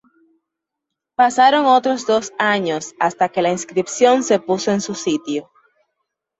Pasaron otros dos años hasta que la inscripción se puso en su sitio.